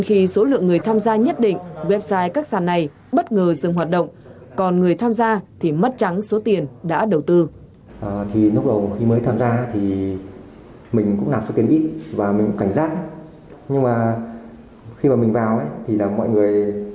kính chào tạm biệt và hẹn gặp lại